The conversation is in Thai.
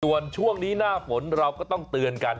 ส่วนช่วงนี้หน้าฝนเราก็ต้องเตือนกัน